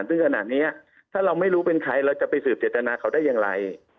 ซึ่งขนาดนี้ถ้าเราไม่รู้เป็นใครเราจะไปสืบเจตนาเขาได้อย่างไร